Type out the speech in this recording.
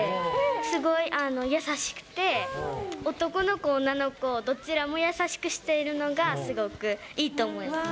すごい優しくて、男の子、女の子、どちらも優しくしているのがすごくいいと思います。